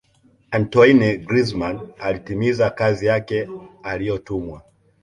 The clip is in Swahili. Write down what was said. antoine grizman alitimiza kazi yake aliyotumwa